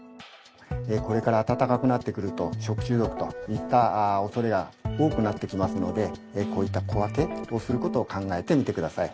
これから暖かくなってくると食中毒といった恐れが多くなってきますのでこういった小分けをする事を考えてみてください。